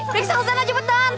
periksa ke sana cepetan